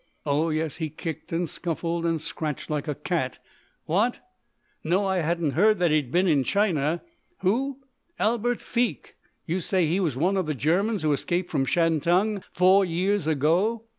Oh, yes, he kicked and scuffled and scratched like a cat.... What?... No, I hadn't heard that he'd been in China.... Who?... Albert Feke? You say he was one of the Germans who escaped from Shantung four years ago?...